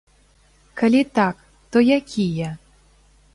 Калі так, то якія?